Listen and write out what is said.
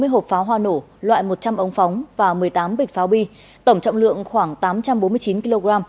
bốn mươi hộp pháo hoa nổ loại một trăm linh ống phóng và một mươi tám bịch pháo bi tổng trọng lượng khoảng tám trăm bốn mươi chín kg